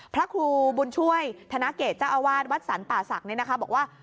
พระครูบุญช่วยธนเกตเจ้าอาวาสวัดสรรป่าศักดิ์บอกว่า